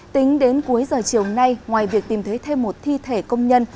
tính đến cuối giờ chiều nay ngoài việc tìm thấy thêm một thi thể công nhân